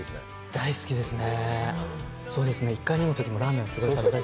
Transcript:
大好きですね。